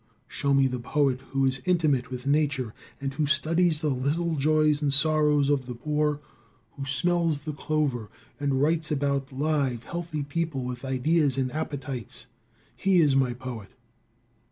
Show me the poet who is intimate with nature and who studies the little joys and sorrows of the poor; who smells the clover and writes about live, healthy people with ideas and appetites. He is my poet.